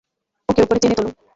ওকে উপরে টেনে তোলো।